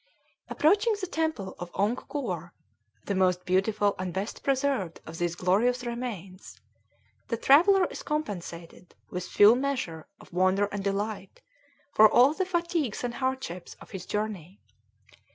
Approaching the temple of Ongkoor, the most beautiful and best preserved of these glorious remains, the traveller is compensated with full measure of wonder and delight for all the fatigues and hardships of his journey.